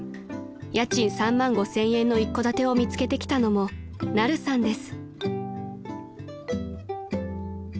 家賃３万５，０００円の一戸建てを見つけてきたのもナルさんです］